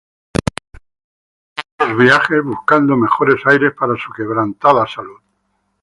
Realizó este viajes buscando mejores aires para su quebrantada salud.